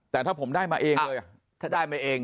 แต่ถ้าผมได้มาเองเลย